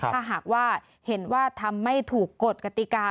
ถ้าหากว่าเห็นว่าทำไม่ถูกกฎกติกา